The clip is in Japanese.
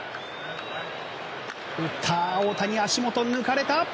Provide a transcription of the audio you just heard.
打った、大谷足元抜かれた。